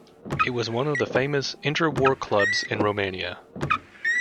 It was one of the famous inter-war clubs in Romania.